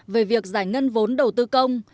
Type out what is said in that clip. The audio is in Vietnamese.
về việc giải ngân vốn đầu tư công